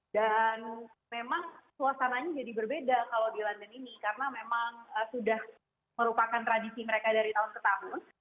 dan memang suasananya jadi berbeda kalau di london ini karena memang sudah merupakan tradisi mereka dari tahun ke tahun